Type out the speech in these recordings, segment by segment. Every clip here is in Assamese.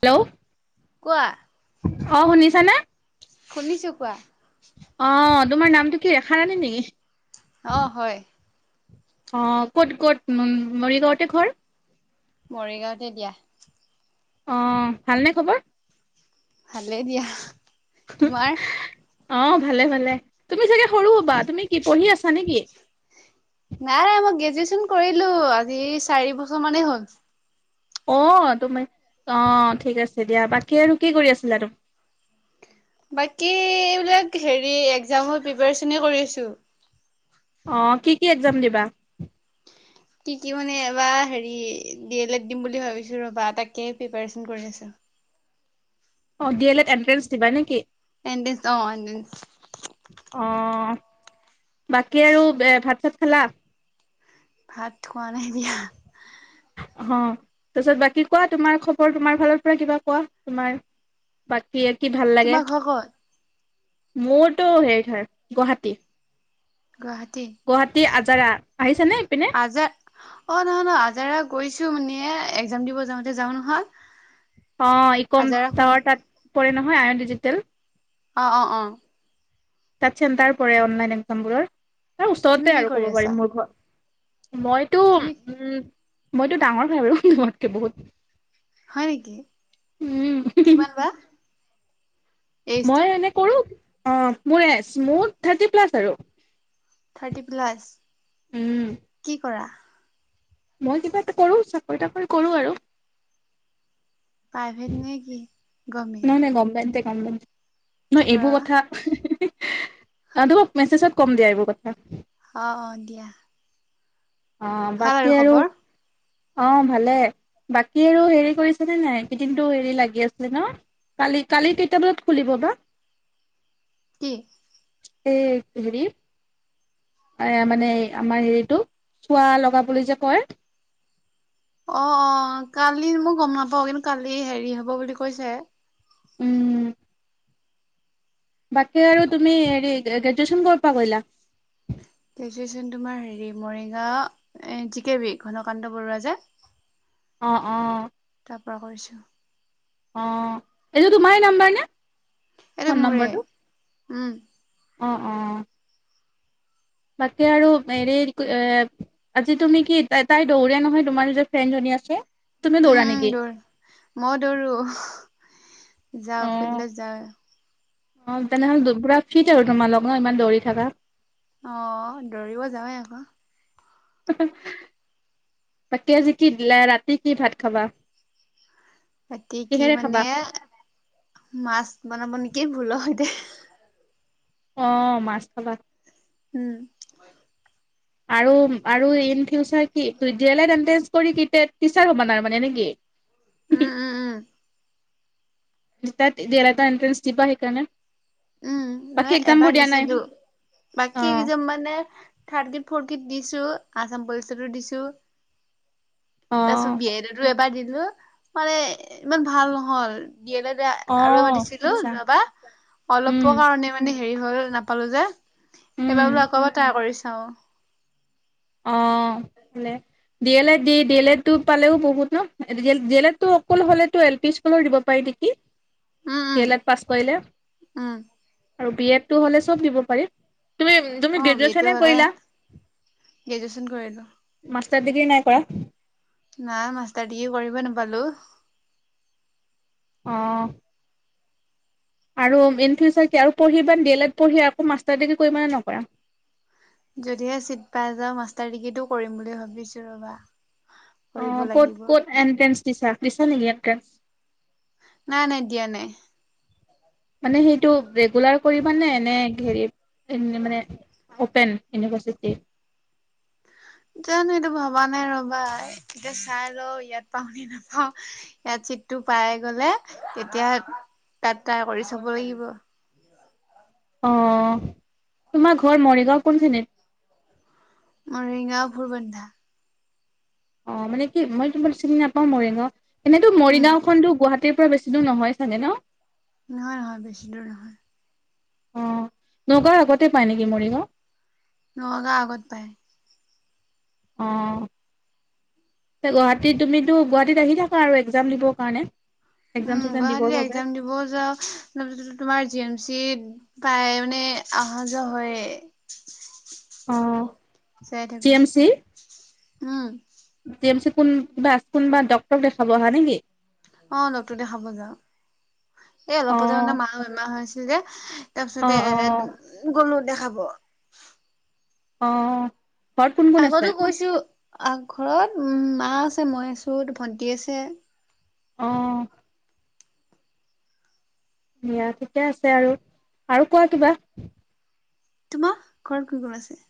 হেল্ল'। কোৱা। অ শুনিছানে। শুনিছো কোৱা। অ তোমাৰ নামটো কি ৰেখা ৰাণী নেকি? অ হয়। অ ক'ত ক'ত উ মৰিগাঁৱতে ঘৰ। মৰিগাঁৱতে দিয়া। অ ভালনে খবৰ? ভালে দিয়া তোমাৰ। অ ভালে ভালে তুমি চাগে সৰু হবা তুমি কি পঢ়ি আছা নেকি? নাই মই গ্ৰেজুৱেচন কৰিলো আজি চাৰি বছৰ মানেই হ'ল। অ তোমাৰ অ ঠিক আছে দিয়া বাকী আৰু কি কৰি আছিলা তুমি- [inaudible] বাকী এইবিলাক একজামৰ প্ৰিপেয়েশন কৰি আছো - অ কি কি একজাম দিবা? কি কি মানে এবাৰ হেৰি ডি এল ড দিম বুলি ভাবিছো ৰবা তাকে প্ৰিপেৰেচন কৰি আছো অ ডি এল এত এনট্ৰেঞ্চ দিবা নেকি এণ্ট্ৰেন্স অ এণ্ট্ৰেন্স অ অ বাকী আৰু এ ভাত-চাত খালা ভাত খোৱা নাই দিয়া। অ তাৰপিছত বাকী কোৱা তোমাৰ খবৰ তোমাৰ ফালৰ পৰা কিবা কোৱা তোমাৰ বাকি কি ভাল লাগে তোমাৰ ঘৰ ক'ত মোৰতো হেৰি ধৰ গুৱাহাটী গুৱাহাটী জাগা আহি আজাৰ অ নহয় নহয় আজাৰ গৈছো মানে একজাম দিব যাওঁতে যাও নহয়? অ ই কম আজাৰা শুন টাৱাৰ তাত পৰে নহয় আয়ন ডিজিটেল অঁ অঁ অঁ তাত চেণ্টাৰ পৰে অনলাইন একজামবোৰৰ তাৰ তুমি ওচৰতে কি আৰু কৰি ক'ব আছা? পাৰিম মোৰ ঘৰ মইতো তুমি উম মইতো ডাঙৰ হয় বাৰু তোমাৰতকে বহুত হয় নেকি উম কিমান বা- এইজটো? মই এনে কৰো মোৰ এজ থাৰ্টি প্লাছ আৰু থাৰ্টি প্লাছ উম কি কৰা? মই কিবা এটা কৰো চাকৰি তাকৰি কৰো আৰু প্ৰাইভেট নে কি? গভমেণ্ট? নাই নাই গমমেনতে গমমেনতে কি নহয় কৰা এইবোৰ বা? কথা আহ তোমাক মেছেজত কম দিয়া এইবোৰ কথা অঁ অঁ দিয়া অ ভাল বাকী আৰু খবৰ? অ ভালে বাকী আৰু হেৰি কৰিছানে নাই কেইদিনটো হেৰি লাগি আছিলে ন কালি কালি কেইটা বজাত খুলিব বা কি? এই হেৰি এ মানে আমাৰ হেৰিটো চোৱা লগা বুলি যে কয়? অ অ কালি মই গম নাপাও কিন্তু কালি হেৰি হ'ব বুলি কৈছে উম বাকী আৰু তুমি হেৰি গ্ৰেজুৱেচন কৰা পৰা কৰিলা? গ্ৰেজুৱেশ্যন তোমাৰ হেৰি Morigaon G K B Ghanakanta Barua যে- অ অ কৰিছ অ এইটো তোমাৰ নাম্বাৰ নে এইটো ফোন মোৰে। নম্বৰটো উম উ অ বাকী আৰু হেৰি এ আজি তুমি কি তাই দৌৰা নহয় তোমাৰ নিৰ ফ্ৰেণ্ড আ তুমি দৌৰা নেকি? মই দৌৰো যাওঁ অ ফিল্ডত যাওঁ- অ তেনেহ'লে পুৰা ফিট আৰু তোমাৰ লগ ন ইমান দৌৰি থকা- অ দৌৰিব যাওঁৱে আকৌ। তাকেজি কি দিলা ৰাতি কি ভাত খাবা। ৰাতি কি কিহেৰে খাবা মানে মাছ বনাব নেকি ভুলৰ সৈতে অ মাছ থবা [unintelligible] উম আৰু আৰু ইন ফিউচাৰ কি তই দি এই লেক এণ্ট্ৰেন্স কৰি কেইতিয়া টিচাৰ হ'ব ন আৰু মানে নেকি? উম উম উম। তাত দেৰা এণ্ট্ৰন্স দিবা সেইকাৰণে। উম ন বাকী এক্জাম এবাৰ বোৰ দিয়া নাই দিছিলো বাকী অ কেইজন মানে থাৰ্টি ফৰ্টি দিছো আসাম পুলিচতো দিছো অ তাৰ পিছত বি এড টো এবাৰ দিছো। মানে ইমান ভাল নহল। দিয়ে ন অ আৰু মাতিছিলো আচ্ছা যোৱাবা। উম অলপৰ কাৰণে মানে হেৰি হল নাপালো যে উম এইবাৰ বোলো আকৌ এবাৰ ট্ৰাই কৰি চাও। অ হ [unintelligible] ডি এল এড দি ডি এল এ টো পালেও বহুত ন ডি এল এড টো অকল হলেতো এল পি স্কুলো দিব পাৰি। কি কি? উম D um L Ed pass কৰিলে উম আৰু বি এডটো হ'লে চব দিব পাৰি। তুমি তুমি অ বি এটো গ্ৰেজুএচনে হলে কৰিলা? গ্ৰেজুৱেচন কৰিলো। মাষ্টাৰ ডিগ্ৰী নাই কৰা? নাই মাষ্টাৰ ডিগ্ৰী কৰিব নাপালো। আহ। আৰু ইন ফিউচাৰ আৰু পঢ়িব বা ডি এল এড পঢ়ি আকৌ মাষ্টাৰ ডিগ্ৰী কৰিবানে নকৰা। যদিহে চিট পাই যাওঁ মাষ্টাৰ ডিগ্ৰীটো কৰিম বুলি ভাবিছো ৰবা। অ কৰিব ক'ত লাগিব। ক'ত এণ্ট্ৰেন্ঞ্চ দিছা দিছা নেকি এনট্ৰেঞ্চ? নাই নাই দিয়া নাই। মানে সেইটো ৰেগুলাৰ কৰিবা নে এনে হেৰি উ মানে অপেন ইউনিভাৰ্চিটি? জানো এইটো ভবা নাই ৰবা এতিয়া চাই ল ইয়াত পাও নে নাপাও ইয়াত। চিটটো পাই গ'লে তেতিয়া তাত ট্ৰায় কৰি চাব লাগিব। আহ তোমাৰ ঘৰ মৰিগাঁও কোনখিনিত। ৰেঙা ভুল বন্ধা। অ মানে কি মই তোমাৰ চিনি নাপাওঁ মৰিগাঁও এনেইতো উম মৰিগাঁওখনতো গুৱাহাটী তিৰ পৰা বেছি দূৰ নহয় চাগে ন। নহয় নহয় বেছি দূৰ নহয়‌। অ নগাঁও আগতে পাই নেকি মৰিগাঁও। নগাও আগত পাই। অ গুৱাহাটীত তুমিতো গুৱাহাটীত আহি থাকা আৰু এক্জাম দিবৰ কাৰণে এক্সাম উম চেক্সাম দিবৰ গুৱাহাটী বাবে একজাম দিবও যাওঁ তাৰপিছ তোমাৰ জ বুচি পায় মানে অহা যোৱা হয় অ চাই জি থাকো এম উম ম কোন কিবা আ কোনবা ডক্টৰক দেখাব অহা নেকি [unintelligible] অ লগটো দেখাব যাও এই অ অলপতে মানে মা বেমাহ হৈ আছিল যে [unintelligible] তাৰ অ পিছতে অ গলো দেখাব আহ ঘৰত কোন কোন আছে আহ ঘৰত উ মা আছে মই আছো ভন্টি আছে আহ দিয়া ঠিকে আছে আৰু আৰু কোৱা কিবা তোমাৰ ঘৰত কি গল আছে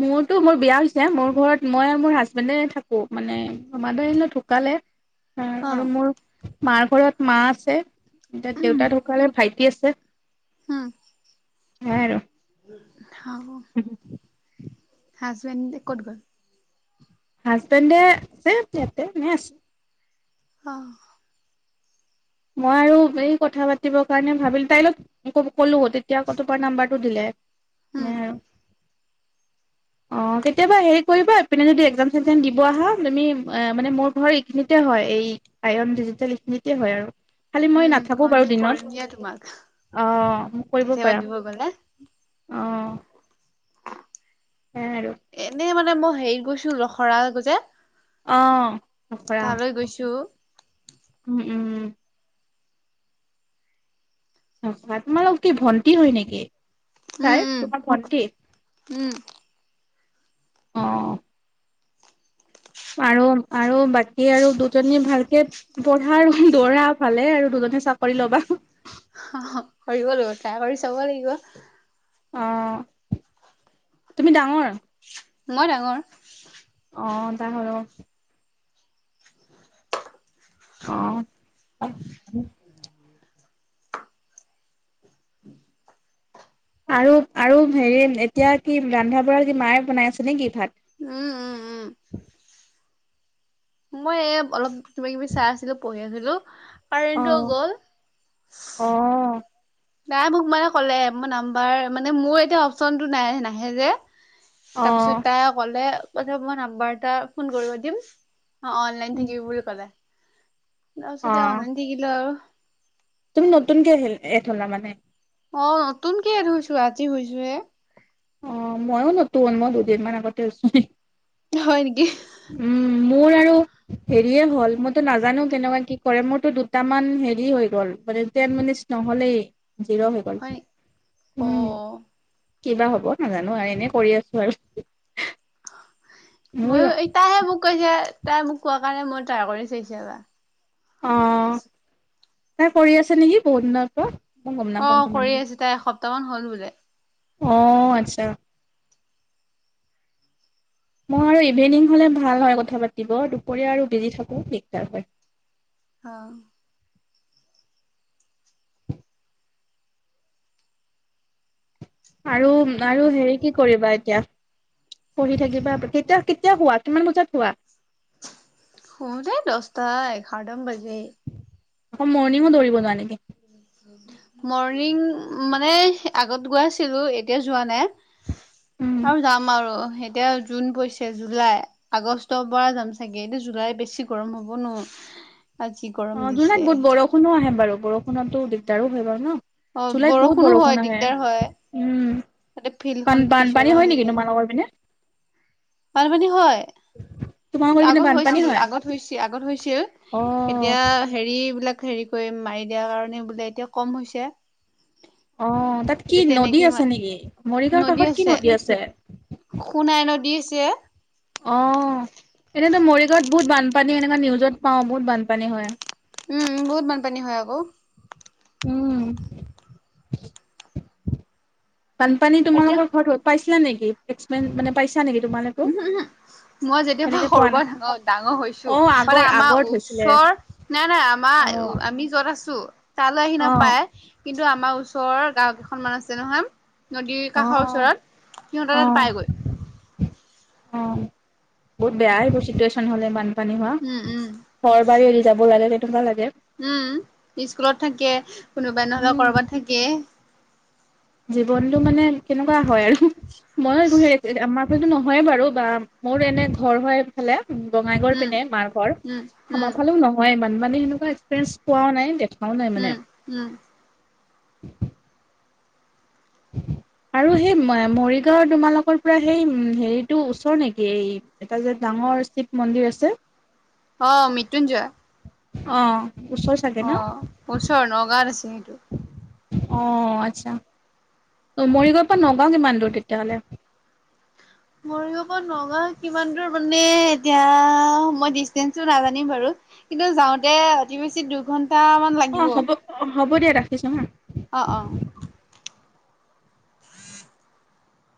মোৰতো মোৰ বিয়া হৈছে মোৰ ঘৰত মই আৰু মোৰ হাজবেণ্ডে থাকো মানে ত মা দ [unintelligible] আহিলো ঢুকালে অ অ আৰু মোৰ মাৰ ঘৰত মা আছে এতিয়া উম দেউতা ঢকালে ভাইটি আছে উম স আৰু হ হাজবেণ্ড ক'ত গ'ল হাজবেণ্ডতে ম আছো আহ মই আৰু এই কথা পাতিবৰ কাৰণে ভাবিলো তাই লগ কলো তেতিয়া তপাৰ নাম্বাৰটো দিলে উম অ কেতিয়াবা হেৰি কৰিবা ইপিনে যদি একজাম চেচাম দিব আহা তুমি মানে মোৰ ঘৰ এইখিনিতে হয় এই আয়ন ডিজিটেল এইখিনিতে হয় আৰু খালি মই উম নাথাকো বাৰু কনটেকট দিনত কৰিম দিয়া তোমাক অ মোক কৰিব কেতিয়াবা পাৰা দিব গ'লে হয় আৰু- এনে মানে মই হেৰিত গৈছো ৰখৰা যে অ আখৰা তালৈ গৈছো উম উম অ তোমাৰ লগ কি ভণ্টি হয় নেকি? উম চাৰ উম তোমাৰ ভণ্টি কি? উম আহ আৰু আৰু বাকী আৰু দুজনী ভালকে পঢ়া আৰু দৌৰা ভালে আৰু দুজন মুহে চাকৰি ল'বা অ কৰিব লাগিব ট্ৰাই কৰি চাব লাগিব। অ তুমি ডাঙৰ মই ডাঙৰ অ ত হ আহ আৰু আৰু হেৰি এতিয়া কি ৰন্ধা বঢ়া কি মায়ে বনাই আছে নেকি উম উম উম। ভাত [inaudible] মই অলপ কিবা কিবি চাই আছিলো পঢ়ি আছিলো অ কাৰেণ্টো গ'ল। অ নাই মোক মানে ক'লে মোৰ নাম্বাৰ মানে মোৰ এতিয়া অপশচনতটো নাই নাহে যে তাৰ পিছত অ তাই ক'লে ক মই নাম্বাৰ এটা ফোন কৰিব দিম অ অনলাইন থাকিবি বুলি ক'লে - তাৰপিছতে অনলাইন দিলো আৰু তুমি নতুনকে এড হলা মানে অ নতুনক ধৰিছো আজি হৈছো হে- অ মইয়ো নতুন মই দুদিন মান আগতে আছো হয় নেকি? মোৰ আৰু হেৰিয়ে হ'ল। মইতো নাজানো কেনেকুৱা কি কৰে। মোৰতো দুটামান হেৰি হৈ গ'ল। মানে তে নহ'লে জিৰ হৈ গ'ল। হয় নেকি অ উম। কিবা হ'ব, নাজানো আৰু। এনে কৰি আছোঁ আৰু। মোৰ মইয়ো- এই তাইহে মোক কৈছে। তাই মোক কোৱা কাৰণে মই ট্ৰাই কৰি চাইছোঁ এটা। অ' তাই কৰি আছে নেকি, বহুত দিনৰ পৰা? মই গম নাপাওঁ অ' কিমান কৰি দিন আছে। তাই এসপ্তাহ মান হ'ল বোলে। অ' আচ্ছা। মই আৰু ইভিনিং হ'লে ভাল হয় কথা পাতিব। দুপৰীয়া আৰু বিজি থাকোঁ। দিগদাৰ হয়। অ'। আৰু- আৰু হেৰি কি কৰিবা এতিয়া? পঢ়ি থাকিবা। কেতিয়া- কেতিয়া শুৱা? কিমান বজাত শুৱা? শুওতে দশটা-এঘাৰটামান বাজে। আকৌ মৰ্ণিঙো দৌৰিব যোৱা নেকি? মৰ্ণিং মানে আগত গৈ আছিলোঁ। এতিয়া যোৱা নাই। আৰু যাম আৰু। এতিয়া জুন পৰিছে। জুলাই, আগষ্টৰ পৰা যাম চাগে। এটো জুলাই বেছি গৰম হ'ব ন'? আৰু যি গৰম অ' দিছে। জুলাইত বহুত বৰষুণো আহে বাৰু। বৰষুণতো দিগদাৰো হয় বাৰু ন'? অ জুলাইত বহুত বৰষুণো হয় বৰষুণ আহে। দিগদাৰ হয় উম। তাতে ফিল্ডখন বান- পিছল বানপানী হৈ হয় নেকি থাকিল। তোমালোকৰ পিনে? বানপানী হয়। তোমালোকৰ কিন্তু পিনে আগত বানপানী হৈছিল- হয়? আগত হৈছি- আগত হৈছিল। অ এতিয়া অ' হেৰিবিলাক হেৰি কৰি মাৰি দিয়াৰ কাৰণে বোলে এতিয়া কম হৈছে। অ' তাত কি এতিয়া নদী তেনেকে আছে ইমান নেকি? মৰিগাঁওৰ কাষত কি নদী আছে? সোনাই নদী আছে। অ' এনেতো মৰিগাঁৱত বহুত বানপানী এনেকা নিউজত পাওঁ। বহুত বানপানী হয়। উম, বহুত বানপানী হয় আকৌ। উম। বানপানী এতিয়া তোমালোকৰ ঘৰত তো পাইছিলা নেকি? এছপেন মানে পা উহু - উহু। মই যেতিয়াৰ পৰা সেনেকে পোৱা সৰুৰ নাই। পৰা ডাঙৰ- ডাঙৰ হৈছোঁ, অ' আগৰ মানে আগত আমাৰ হৈছিলে। ওচৰ, নাই - নাই, আমা অ' আমি য'ত আছোঁ তালৈ আহি অ' নাপায়। কিন্তু আমাৰ ওচৰৰ গাঁও কেইখনমান আছে নহয় নদীৰ কাষৰ অ' ওচৰত। সিহঁতৰ তাত অ' পায় গৈ। অ' বহুত বেয়া এইবোৰ ছিটুৱেশন হ'লে। বান পানী হোৱা। উম উম ঘৰ-বাৰী এৰি যাব লাগে। সেইটো উম, স্কুলত থাকে। কোনোবাই নহ'লে উম, কৰবাত থাকে। জীৱনটো মানে, কেনেকুৱা হয় আৰু। মই এইবোৰ সে- তে- আমা সেইটো নহয় বাৰু বা মোৰ এনে ঘৰ হয় সেইফালে। বঙাইগাঁওৰ উম পিনে মাৰ ঘৰ। উম আমাৰ উম ফালেও নহয় ইমান, মানে সেনেকুৱা এক্সপিৰিয়েঞ্চ পোৱাও নাই। দে উম - উম। [inaudible] আৰু সেই ম- মৰিগাঁওৰ তোমালোকৰ পৰা সেই উম হেৰিটো ওচৰ নেকি? এই এটা যে ডাঙ ৰ শিৱ মন্দিৰ আছে। অ', মৃত্যুঞ্জয়। অ'। অ' ওচৰ নগাঁওত আছে সেইটো। অ' আচ্ছা। অ' মৰিগাঁওৰ পৰা নগাঁও কিমান দূৰ তেতিয়াহ'লে? মৰিগাঁওৰ পৰা নগাঁও কিমান দূৰ মানে, এতিয়া মই ডিচটেঞ্চটো নাজানিম বাৰু কিন্তু যাওঁতে অতি বেছি দুঘন্টামান অ লাগিব। হ'ব হ'ব দিয়া ৰাখিছোঁ হা [unintelligible] অ', অ'। [inaudible]